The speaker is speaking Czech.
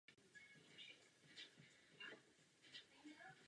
Baron byl polský vlastenec ve službách rakouské armády.